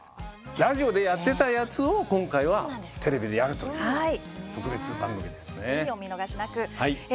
ラジオでやってたやつを今回はテレビでやるというぜひお見逃しなく。